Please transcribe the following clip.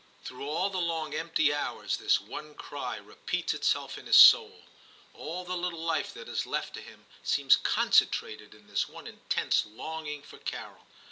Through all the long empty hours this one cry repeats itself in his soul. All the little life that is left to him seems concentrated in this one intense longing for Carol.